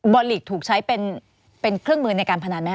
อลิกถูกใช้เป็นเครื่องมือในการพนันไหมค